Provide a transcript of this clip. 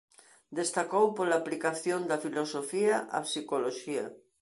Destacou pola aplicación da filosofía á psicoloxía.